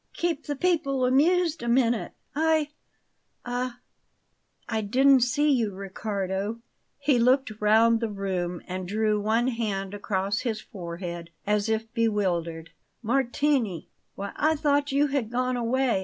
"Keep the people amused a minute; I Ah! I didn't see you, Riccardo." He looked round the room and drew one hand across his forehead as if bewildered. "Martini! Why, I thought you had gone away.